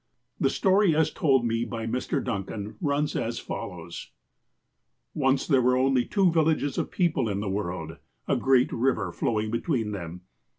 The story, as told me by Mr. Duncan, runs as follows ; "Once there were only two villages of people in the world, a great river flowing between them.